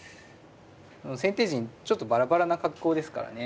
先手陣ちょっとバラバラな格好ですからね。